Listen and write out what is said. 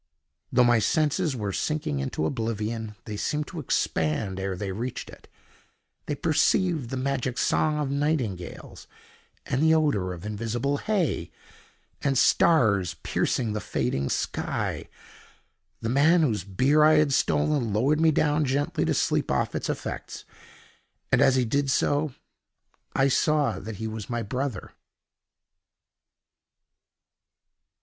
Though my senses were sinking into oblivion, they seemed to expand ere they reached it. They perceived the magic song of nightingales, and the odour of invisible hay, and stars piercing the fading sky. The man whose beer I had stolen lowered me down gently to sleep off its effects, and, as he did so, I saw that he was my brother.